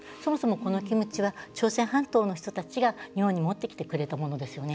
キムチは朝鮮半島の人たちが日本に持ってきてくれたものですよね。